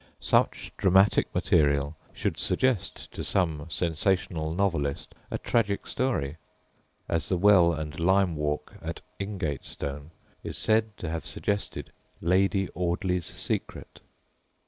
Such dramatic material should suggest to some sensational novelist a tragic story, as the well and lime walk at Ingatestone is said to have suggested Lady Audley's Secret.